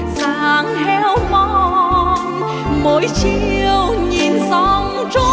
sáng héo mòn mỗi chiều nhìn sông trôi